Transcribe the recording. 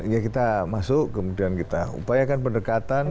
ya kita masuk kemudian kita upayakan pendekatan